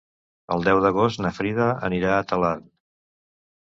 El deu d'agost na Frida anirà a Talarn.